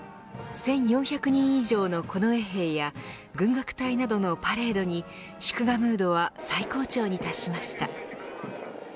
１４００人以上の近衛兵や軍楽隊などのパレードに祝賀ムードは最高潮に達しました。